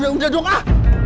udah udah udah dong ah